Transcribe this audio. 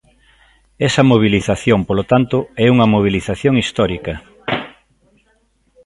Esa mobilización, polo tanto, é unha mobilización histórica.